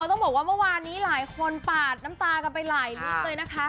ก็ต้องบอกว่าเมื่อวานนี้หลายคนปากหน้าหลายเลยนะคะ